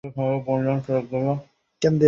Can দে, reef.